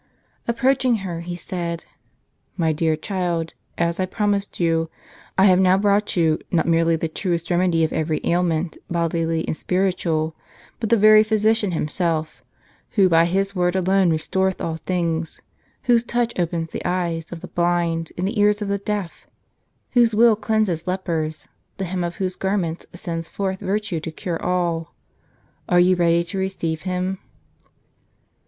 Approaching her he said :" My dear child, as I promised you, I have now brought you not merely the truest remedy of every ailment, bodily and spiritual, but the very Physician Himself, who by His word alone restoreth all things,* whose touch opens the eyes of the * "Qui verbo suo iustaurat universa." Tlie Breviary. blind and the ears of the deaf, whose will cleanses lepers, the hem of whose garment sends forth virtue to cure all. Are you ready to receive Him?"